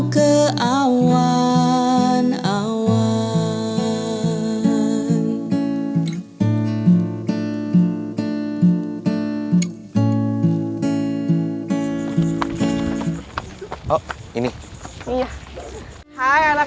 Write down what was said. kenapa kangen lagi mbak